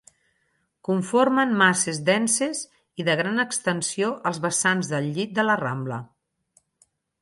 Conformen masses denses i de gran extensió als vessants del llit de la rambla.